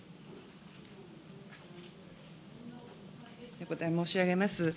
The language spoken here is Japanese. お答え申し上げます。